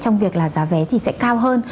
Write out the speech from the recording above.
trong việc là giá vé thì sẽ cao hơn